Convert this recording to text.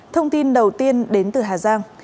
thông tin đầu tiên đến từ hà giang